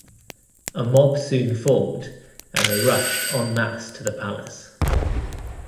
A mob soon formed and they rushed en masse to the palace.